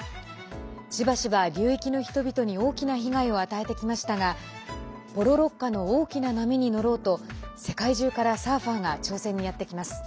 しばしば流域の人々に大きな被害を与えてきましたがポロロッカの大きな波に乗ろうと世界中からサーファーが挑戦にやってきます。